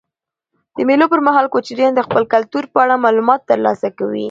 د مېلو پر مهال کوچنيان د خپل کلتور په اړه معلومات ترلاسه کوي.